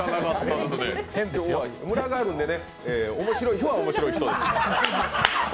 むらがあるんでね、面白いのは面白い人です。